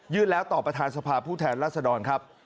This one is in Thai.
ยื่นแล้วต่อประธานสภาพผู้แทนรัฐธรรมครับ